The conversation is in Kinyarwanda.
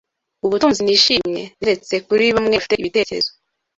Ubutunzi nishimye neretse Kuri bamwe bafite ibitekerezo